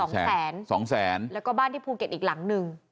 สองแสนสองแสนแล้วก็บ้านที่ภูเก็ตอีกหลังหนึ่ง